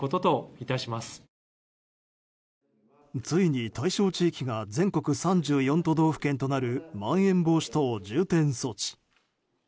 ついに対象地域が全国３４都道府県となるまん延防止等重点措置。